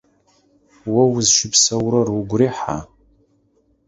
О узыщыпсэурэр угу рехьа?